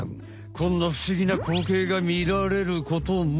こんな不思議な光景が見られることも。